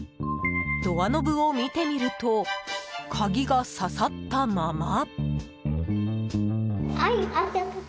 ドアノブを見てみると鍵が挿さったまま。